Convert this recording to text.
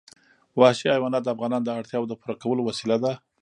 وحشي حیوانات د افغانانو د اړتیاوو د پوره کولو وسیله ده.